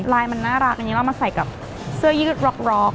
ลายมันน่ารักอย่างนี้เรามาใส่กับเสื้อยืดร็อก